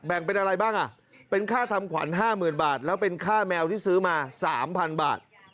เป็นอะไรบ้างอ่ะเป็นค่าทำขวัญ๕๐๐๐บาทแล้วเป็นค่าแมวที่ซื้อมา๓๐๐บาท